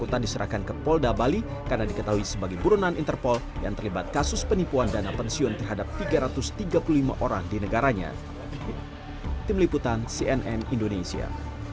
tim liputan cnn indonesia